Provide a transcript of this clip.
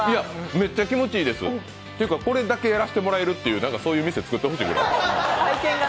めっちゃ気持ちいいです、ていうかこれだけやらせてもらえるそういう店作ってほしいぐらい。